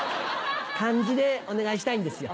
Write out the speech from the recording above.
漢字でお願いしたいんですよ。